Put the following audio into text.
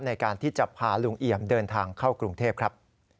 ในการที่จะพาลุงเอี่ยมเดินทางเข้ากรุงเทพครับ